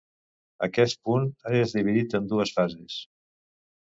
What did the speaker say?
Aquest punt és dividit en dues fases.